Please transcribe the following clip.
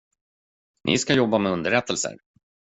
Ni ska jobba med underrättelser.